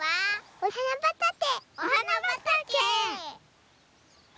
おはなばたけ！